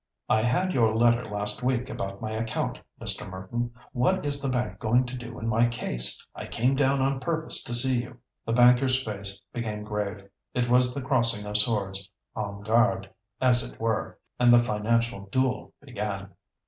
"I had your letter last week about my account, Mr. Merton. What is the bank going to do in my case? I came down on purpose to see you." The banker's face became grave. It was the crossing of swords, en garde as it were. And the financial duel began.